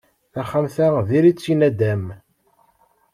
Taxxamt-a diri-tt i nadam.